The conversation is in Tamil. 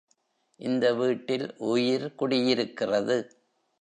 இந்த வீட்டில் உயிர் குடியிருக்கிறது.